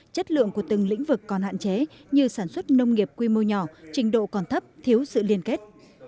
chất lượng của từng lĩnh vực còn hạn chế như sản xuất nông nghiệp quy mô nhỏ trình độ còn thấp thiếu sự liên kết